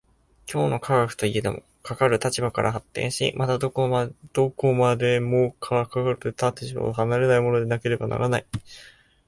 今日の科学といえども、かかる立場から発展し、またどこまでもかかる立場を離れないものでなければならない。